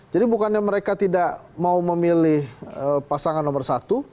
jadi bukannya mereka tidak mau memilih pasangan nomor satu